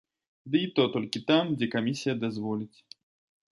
Ды і то толькі там, дзе камісія дазволіць.